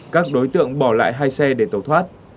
các đối tượng bỏ lại hai xe để tẩu thoát